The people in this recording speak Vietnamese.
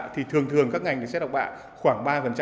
thì thường thường các ngành xét học bạ khoảng ba